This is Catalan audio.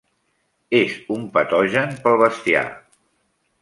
És un patogen pel bestiar.